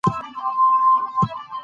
ښه جامې واغوندئ.